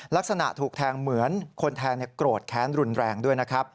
ลักษณะถูกแทงเหมือนคนแทงโกรธแค้นรุนแรงด้วยนะครับ